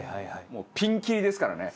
もうピンキリですからね。